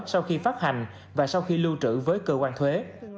sau khi phát hành và sau khi lưu trữ với cơ quan thuế